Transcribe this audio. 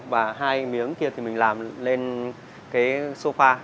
và hai miếng kia thì mình làm lên cái sofa